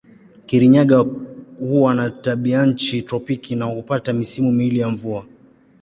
Kirinyaga huwa na tabianchi tropiki na hupata misimu miwili ya mvua.